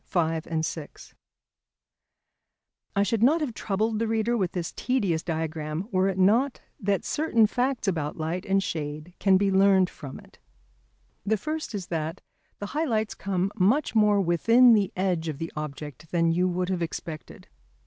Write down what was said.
ILLUSTRATING CURVED LINKS SUGGESTING FULLNESS AND FORESHORTENING] I should not have troubled the reader with this tedious diagram were it not that certain facts about light and shade can be learned from it. The first is that the high lights come much more within the edge of the object than you would have expected.